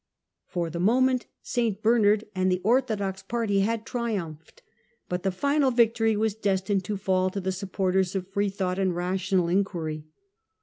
For the moment St Bernard and the orthodox party had triumphed, but the final victory was destined to fall to the supporters of free thought and rational enquiry.